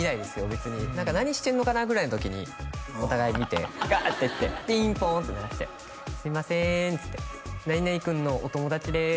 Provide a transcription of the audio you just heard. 別に何か何してんのかなぐらいの時にお互い見てガーって行ってピンポンって鳴らして「すいません」っつって「○○くんのお友達です」